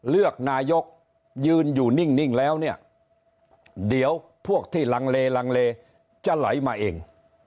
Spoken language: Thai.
เลือกนายกยืนอยู่นิ่งแล้วเนี่ยเดี๋ยวพวกที่ลังเลลังเลจะไหลมาเอง